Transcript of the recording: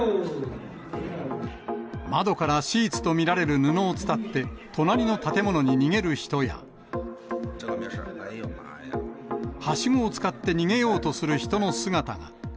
窓からシーツと見られる布を伝って、隣の建物に逃げる人や、はしごを使って逃げようとする人の姿が。